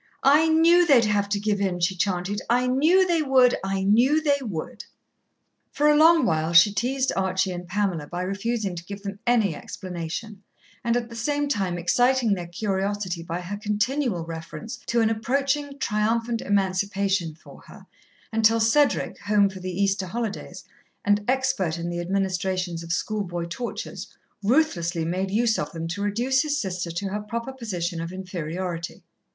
"I knew they'd have to give in," she chanted. "I knew they would, I knew they would." For a long while she teased Archie and Pamela by refusing to give them any explanation, and at the same time exciting their curiosity by her continual reference to an approaching triumphant emancipation for her, until Cedric, home for the Easter holidays, and expert in the administrations of schoolboy tortures, ruthlessly made use of them to reduce his sister to her proper position of inferiority.